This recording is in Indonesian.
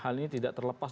hal ini tidak terlepas